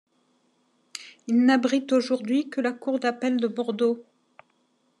Il n'abrite aujourd'hui que la cour d'appel de Bordeaux.